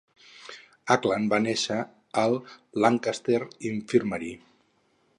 Acland va néixer al Lancaster Infirmary.